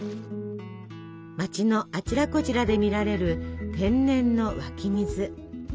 町のあちらこちらで見られる天然の湧き水。